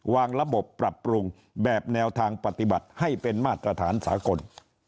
วางระบบปรับปรุงแบบแนวทางปฏิบัติให้เป็นมาตรฐานสากล